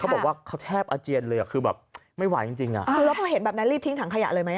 เขาบอกว่าเขาแทบอเจียนเลยคือแบบไม่ไหวจริง